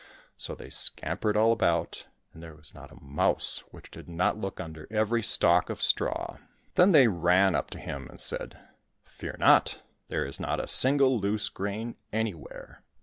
So they scampered all about, and there was not a mouse which did not look under every stalk of straw. Then they ran up to him, and said, " Fear not ! there is not a single loose grain anywhere.